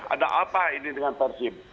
ada apa ini dengan persib